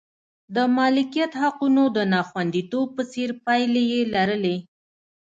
د مالکیت حقوقو د ناخوندیتوب په څېر پایلې یې لرلې.